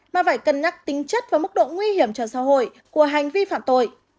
mà phải cân nhắc tính chất và mức độ nguy hiểm cho xã hội của hành vi phạm tội